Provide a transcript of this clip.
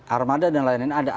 armada dan lain lain